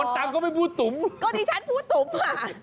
ตังค์ก็ไม่พูดตุ๋มก็ดิฉันพูดตุ๋มค่ะ